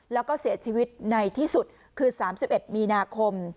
แล้วก็เสียชีวิตในที่สุดคือ๓๑มีนาคม